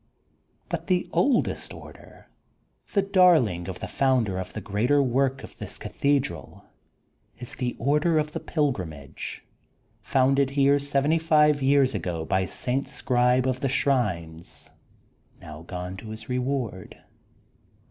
But the oldest order, the darling of the founder of the greater work of this Cathedral, is the order of the Pilgrimage, founded here THE GOLDEN BOOK OF SPRINGFIELD 127 seventy five years ago by St. Scribe of the Shrines, now gone to his reward.